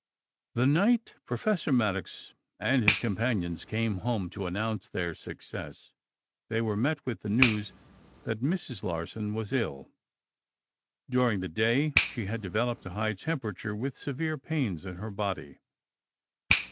The night Professor Maddox and his companions came home to announce their success they were met with the news that Mrs. Larsen was ill. During the day, she had developed a high temperature with severe pains in her body.